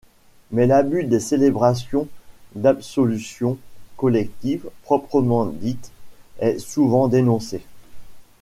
Mais l'abus des célébrations d'absolution collective proprement dites est souvent dénoncé.